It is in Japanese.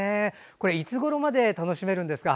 これ、いつごろまで楽しめるんですか？